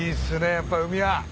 やっぱり海は！